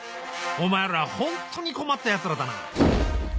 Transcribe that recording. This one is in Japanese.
お前らは本当に困った奴らだな。